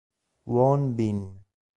Won Bin